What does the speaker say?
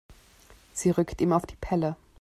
Sie rückt ihm auf die Pelle.